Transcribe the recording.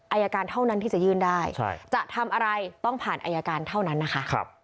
อายการเท่านั้นที่จะยื่นได้จะทำอะไรต้องผ่านอายการเท่านั้นนะคะ